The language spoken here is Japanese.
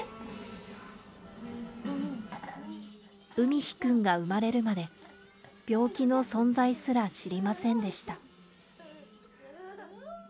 海陽くんが生まれるまで、病気の存在すら知りませんでした。